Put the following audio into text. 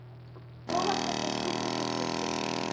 Вова ще постукав у шибку.